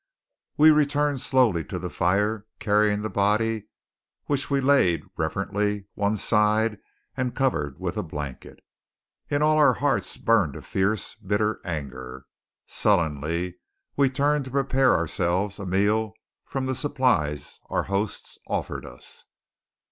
We returned slowly to the fire, carrying the body, which we laid reverently one side and covered with a blanket. In all our hearts burned a fierce, bitter anger. Sullenly we turned to prepare ourselves a meal from the supplies our hosts offered us.